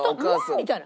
みたいな。